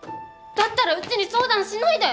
だったらうちに相談しないで。